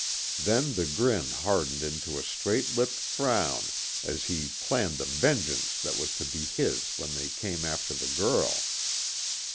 Then the grin hardened into a straight lipped frown as he planned the vengeance that was to be his when they came after the girl.